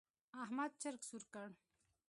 احمد چرګ سور کړ.